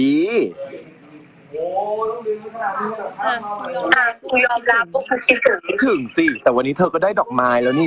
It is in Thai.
คิดถึงสิแต่วันนี้เธอก็ได้ดอกไม้แล้วนี่